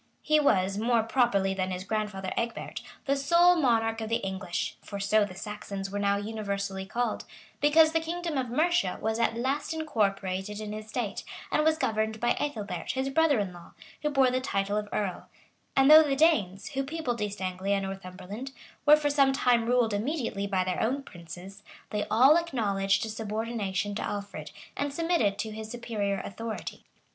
He was, more properly than his grandfather Egbert, the sole monarch of the English, (for so the Saxons were now universally called,) because the kingdom of Mercia was at last incorporated in his state, and was governed by Ethelbert, his brother in law, who bore the title of earl; and though the Danes, who peopled East Anglia and Northumberland, were for some time ruled immediately by their own princes, they all acknowledged a subordination to Alfred, and submitted to his superior authority.